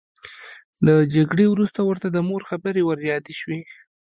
له جګړې وروسته ورته د مور خبرې وریادې شوې